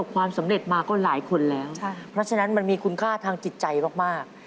ความสำเร็จมาก็หลายคนแล้วเพราะฉะนั้นมันมีคุณค่าทางจิตใจมาก